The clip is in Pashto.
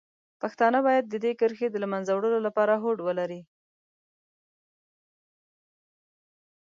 پښتانه باید د دې کرښې د له منځه وړلو لپاره هوډ ولري.